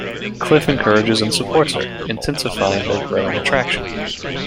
Cliff encourages and supports her, intensifying their growing attraction.